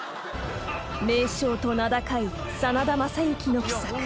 ［名将と名高い真田昌幸の奇策］